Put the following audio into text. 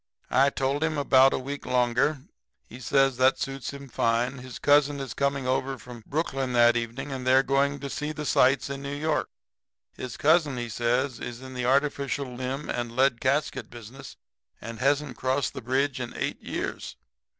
"I told him about a week longer. He says that'll suit him fine. His cousin is coming over from Brooklyn that evening and they are going to see the sights of New York. His cousin, he says, is in the artificial limb and lead casket business, and hasn't crossed the bridge in eight years.